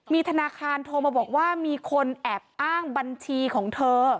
มีธนาคารโทรมาบอกว่ามีคนแอบอ้างบัญชีของเธอ